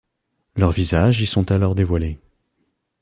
Leurs visages y sont alors dévoilés.